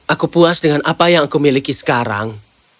aku puas dengan apa yang aku miliki sekarang